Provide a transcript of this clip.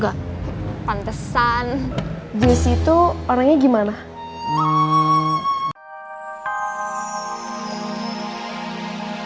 ketemu kamu tapi saya nggak pengen ketemu kamu kenapa ya nggak pengen aja ya maaf ya